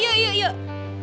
yuk yuk yuk yuk yuk